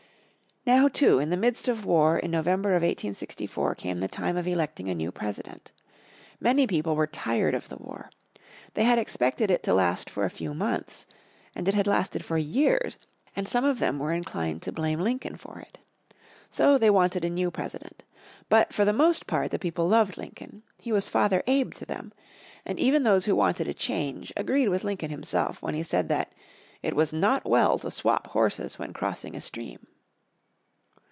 Now too, in the midst of war in November of 1864 came the time of electing a new President. Many people were tired of the war. They had expected it to last for a few months, and it had lasted for years, and some of them were inclined to blame Lincoln for it. So they wanted a new President. But for the most part the people loved Lincoln. He was Father Abe to them. And even those who wanted a change agreed with Lincoln himself when he said that "it was not well to swap horses when crossing a stream."